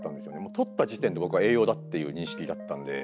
とった時点で僕は栄養だっていう認識だったんで。